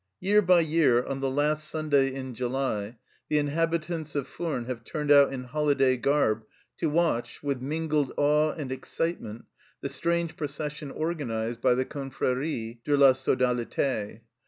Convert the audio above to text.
Year by year on the last Sunday in July the inhabitants of Furnes have turned out in holiday garb to watch, with mingled awe and excitement, the strange procession organized by the Confrerie de la Sodalite.